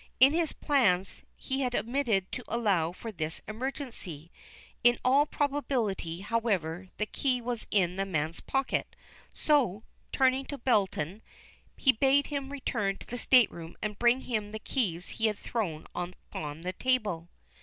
In his plans he had omitted to allow for this emergency. In all probability, however, the key was in the man's pocket, so, turning to Belton, he bade him return to the stateroom and bring him the keys he had thrown upon the table.